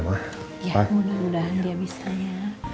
ya mudah mudahan dia bisa ya